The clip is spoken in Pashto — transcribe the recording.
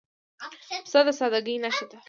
پسه د سادګۍ نښه ده.